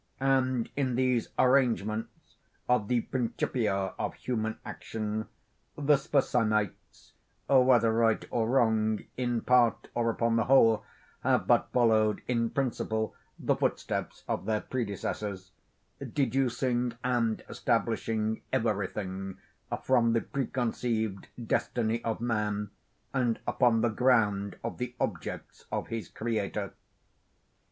And in these arrangements of the Principia of human action, the Spurzheimites, whether right or wrong, in part, or upon the whole, have but followed, in principle, the footsteps of their predecessors; deducing and establishing every thing from the preconceived destiny of man, and upon the ground of the objects of his Creator.